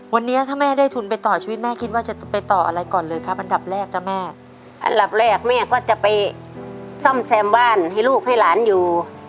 วันนี้ถ้าแม่ได้ทุนไปต่อชีวิตแม่คิดว่าจะไปต่ออะไรก่อนเลยครับอันดับแรกจ้ะแม่อันดับแรกแม่ก็จะไปซ่อมแซมบ้านให้ลูกให้หลานอยู่